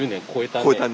こえたね。